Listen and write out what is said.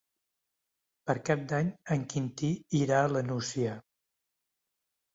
Per Cap d'Any en Quintí irà a la Nucia.